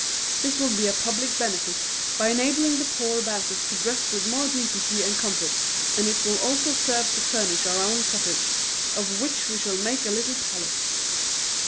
This will be a public benefit, by enabling the poor about us to dress with more decency and comfort, and it will also serve to furnish our own cottage, of which we shall make a little palace."